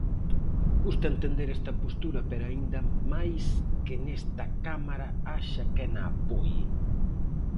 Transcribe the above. Custa entender esta postura pero aínda máis que nesta Cámara haxa quen a apoie.